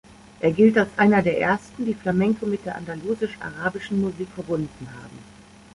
Er gilt als einer der ersten, die Flamenco mit der andalusisch-arabischen Musik verbunden haben.